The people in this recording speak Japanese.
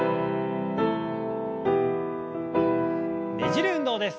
ねじる運動です。